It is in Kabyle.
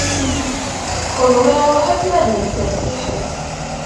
Kenwi ṛuḥet ma d nettat fiḥel.